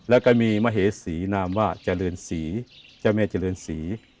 แล้วก็มีมเหสีนามว่าเจริญศรีเจ้าแม่เจริญศรี